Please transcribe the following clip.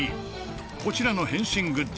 こちらの変身グッズ